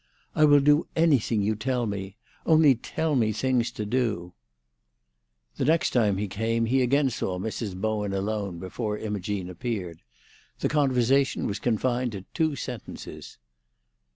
"I will do anything you tell me. Only tell me things to do." The next time he came he again saw Mrs. Bowen alone before Imogene appeared. The conversation was confined to two sentences.